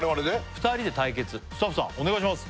２人で対決スタッフさんお願いします